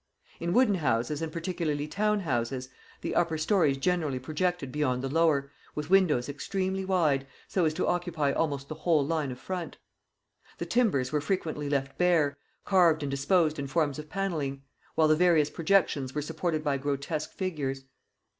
In wooden houses and particularly town houses, the upper stories generally projected beyond the lower, with windows extremely wide, so as to occupy almost the whole line of front. The timbers were frequently left bare, carved and disposed in forms of pannelling; while the various projections were supported by grotesque figures.